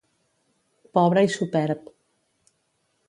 Pobre i superb.